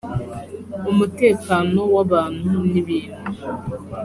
umutekano w abantu n ibintu